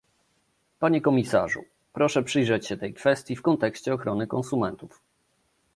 Panie komisarzu, proszę przyjrzeć się tej kwestii w kontekście ochrony konsumentów